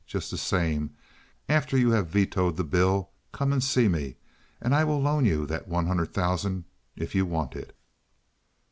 Just the same, after you have vetoed the bill, come and see me, and I will loan you that one hundred thousand if you want it."